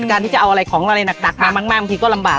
การที่จะเอาอะไรของอะไรหนักมามากบางทีก็ลำบาก